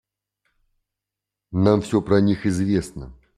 Нам всё про них известно.